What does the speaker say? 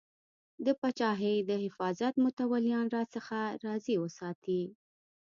د پاچاهۍ د حفاظت متولیان راڅخه راضي وساتې.